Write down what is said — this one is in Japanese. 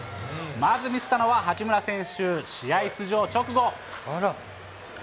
まず見せたのは八村選手、試合出場直後。